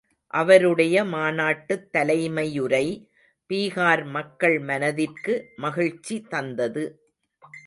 அவருடைய மாநாட்டுத் தலைமையுரை, பீகார் மக்கள் மனதிற்கு மகிழ்ச்சி தந்தது.